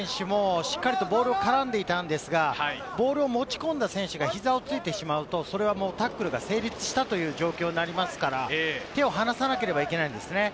デヤハー選手もしっかりとボールを絡んでいたんですが、ボールを持ち込んだ選手が膝をついてしまうと、それはタックルが成立したという状況になりますから、手を離さなければいけないんですね。